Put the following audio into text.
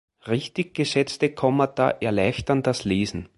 Richtig gesetzte Kommata erleichtern das Lesen.